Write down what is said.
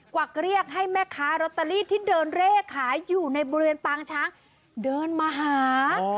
วักเรียกให้แม่ค้ารอตเตอรี่ที่เดินเร่ขายอยู่ในบริเวณปางช้างเดินมาหา